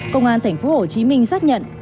công an tp hcm xác nhận